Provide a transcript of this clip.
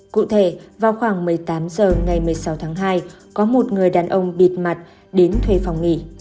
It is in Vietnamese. cụ thể vào khoảng một mươi tám h ngày một mươi sáu tháng hai có một người đàn ông bịt mặt đến thuê phòng nghỉ